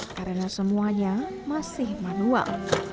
karena semuanya masih manual